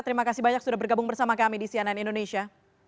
terima kasih banyak sudah bergabung bersama kami di cnn indonesia